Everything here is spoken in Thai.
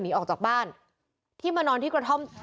โดนฟันเละเลย